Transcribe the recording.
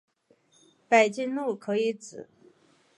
北京路可以指